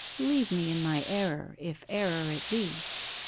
Leave me in my error, if error it be.